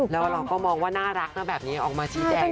แล้วเราก็มองว่าน่ารักนะแบบนี้ออกมาชี้แจง